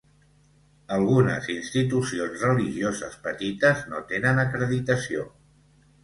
Algunes institucions religioses petites no tenen acreditació.